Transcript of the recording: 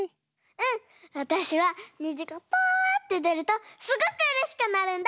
うんわたしはにじがパッてでるとすごくうれしくなるんだ。